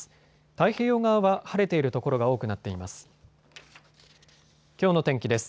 太平洋側は晴れている所が多くなっています。